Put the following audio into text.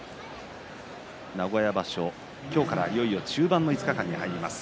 名古屋場所、今日からいよいよ中盤の５日間に入ります。